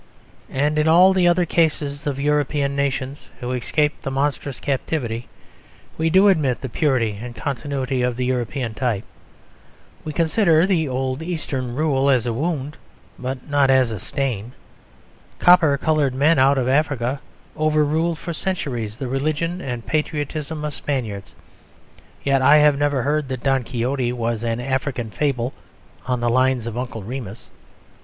And in all the other cases of European nations who escaped the monstrous captivity, we do admit the purity and continuity of the European type. We consider the old Eastern rule as a wound, but not as a stain. Copper coloured men out of Africa overruled for centuries the religion and patriotism of Spaniards. Yet I have never heard that Don Quixote was an African fable on the lines of Uncle Remus.